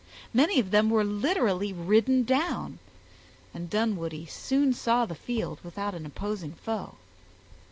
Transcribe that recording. Many of them were literally ridden down, and Dunwoodie soon saw the field without an opposing foe.